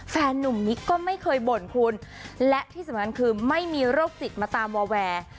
แฟนนุ่มนิกก็ไม่เคยบ่นคุณและที่สำคัญคือไม่มีโรคจิตมาตามวอแวร์